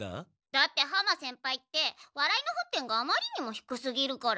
だって浜先輩ってわらいの沸点があまりにもひくすぎるから。